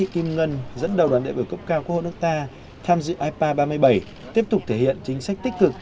kim ngân dẫn đầu đoàn đại biểu cấp cao quốc hội nước ta tham dự ipa ba mươi bảy tiếp tục thể hiện chính sách tích cực